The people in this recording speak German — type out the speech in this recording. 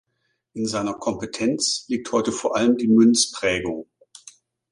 In seiner Kompetenz liegt heute vor allem die Münzprägung.